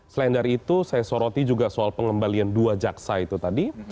selain dari itu saya soroti juga soal pengembalian dua jaksa itu tadi